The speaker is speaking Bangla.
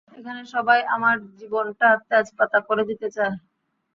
এখানে সবাই আমার জীবনটা তেজপাতা করে দিতে চায়।